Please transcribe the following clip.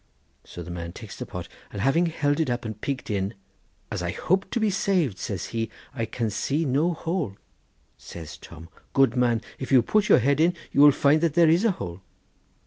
So the man takes the pot, and having held it up and peaked in, 'as I hope to be saved,' says he, 'I can see no hole.' Says Tom, 'good man, if you put your head in, you will find that there is a hole.